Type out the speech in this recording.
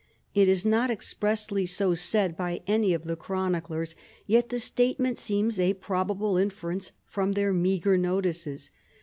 It is not expressly so said by any of the chroniclers, yet the statement seems a probable inference from their meagre notices.